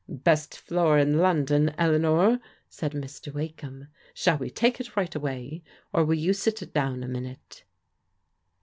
" Best floor in London, Eleanor," said Mr. Wakeham. *' Shall we take it right away or will you sit down a minute